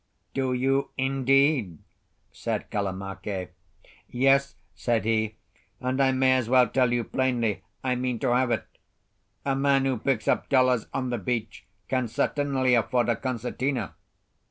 "Do you, indeed?" said Kalamake. "Yes," said he, "and I may as well tell you plainly, I mean to have it. A man who picks up dollars on the beach can certainly afford a concertina."